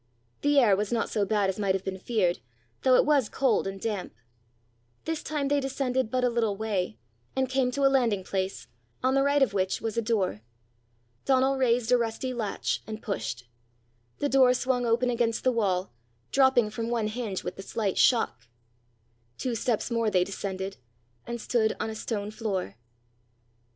The air was not so bad as might have been feared, though it was cold and damp. This time they descended but a little way, and came to a landing place, on the right of which was a door. Donal raised a rusty latch and pushed; the door swung open against the wall, dropping from one hinge with the slight shock. Two steps more they descended, and stood on a stone floor.